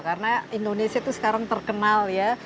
karena indonesia itu sekarang terkenal ya